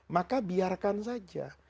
maka biarkan saja